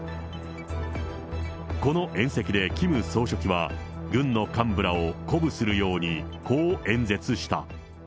この宴席でキム総書記は、軍の幹部らを鼓舞するように、こう演説した。